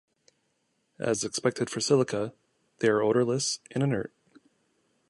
As expected for silica, they are odorless and inert.